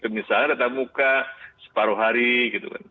misalnya tetap muka separuh hari gitu kan